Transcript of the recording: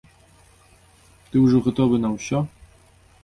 Ты ўжо гатовы на ўсё?